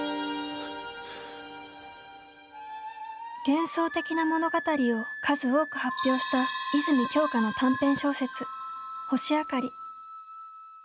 幻想的な物語を数多く発表した泉鏡花の短編小説「星あかり」。